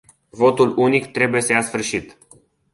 Votul unic trebuie să ia sfârșit.